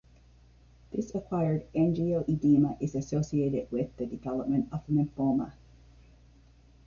This acquired angioedema is associated with the development of lymphoma.